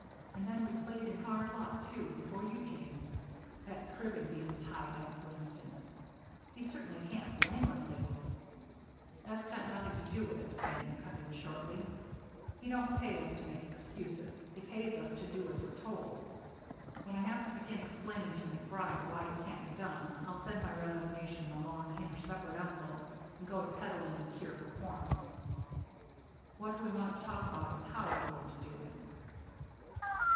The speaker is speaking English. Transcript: And then we played in hard luck, too, before you came. That cribbing being tied up, for instance. He certainly can't blame us if " "That's got nothing to do with it," Bannon cut in shortly. "He don't pay us to make excuses; he pays us to do as we're told. When I have to begin explaining to MacBride why it can't be done, I'll send my resignation along in a separate envelope and go to peddling a cure for corns. What we want to talk about is how we're going to do it."